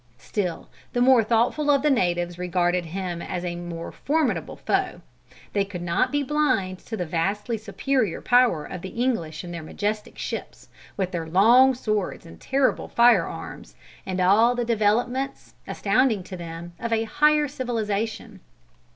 Still the more thoughtful of the natives regarded him as a more formidable foe. They could not be blind to the vastly superior power of the English in their majestic ships, with their long swords, and terrible fire arms, and all the developments, astounding to them, of a higher civilization.